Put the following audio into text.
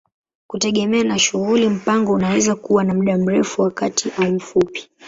Kutegemea na shughuli, mpango unaweza kuwa wa muda mrefu, wa kati au mfupi.